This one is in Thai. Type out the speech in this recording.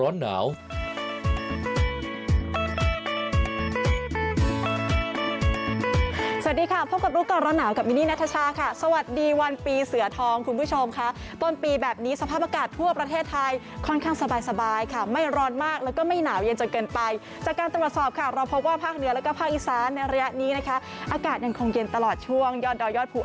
สวัสดีค่ะพบกับรู้ก่อนร้อนหนาวกับมินนี่นัทชาค่ะสวัสดีวันปีเสือทองคุณผู้ชมค่ะต้นปีแบบนี้สภาพอากาศทั่วประเทศไทยค่อนข้างสบายค่ะไม่ร้อนมากแล้วก็ไม่หนาวเย็นจนเกินไปจากการตรวจสอบค่ะเราพบว่าภาคเหนือแล้วก็ภาคอีสานในระยะนี้นะคะอากาศยังคงเย็นตลอดช่วงยอดดอยยอดภู